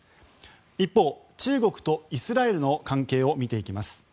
一方、中国とイスラエルの関係を見ていきます。